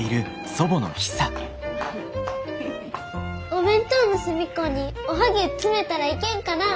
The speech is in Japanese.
お弁当の隅っこにおはぎゅう詰めたらいけんかなあ。